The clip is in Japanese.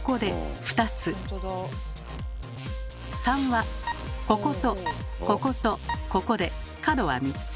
３はこことこことここで角は３つ。